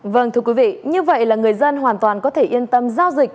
vâng thưa quý vị như vậy là người dân hoàn toàn có thể yên tâm giao dịch